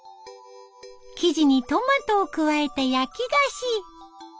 生地にトマトを加えた焼き菓子。